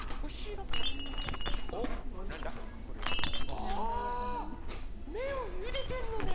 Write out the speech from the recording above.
あめんをゆでてんのね！